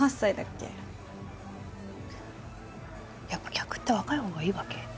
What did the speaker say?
１やっぱ客って若い方がいいわけ？